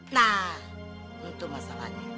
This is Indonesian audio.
nah itu masalahnya